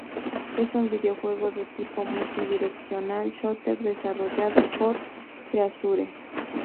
Es un videojuego de tipo multi-directional shooter desarrollado por Treasure.